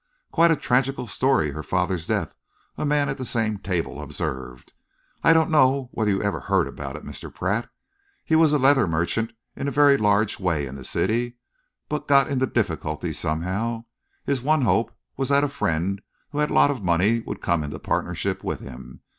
"Quite a tragical story, her father's death," a man at the same table observed. "I don't know whether you ever heard about it, Mr. Pratt. He was a leather merchant in a very large way in the city, but got into difficulties somehow. His one hope was that a friend who had a lot of money would come into partnership with him.